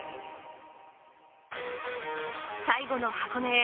最後の箱根へ。